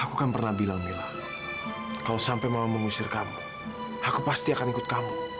aku kan pernah bilang mila kalau sampai mau mengusir kamu aku pasti akan ikut kamu